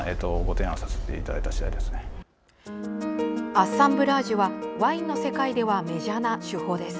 アッサンブラージュはワインの世界ではメジャーな手法です。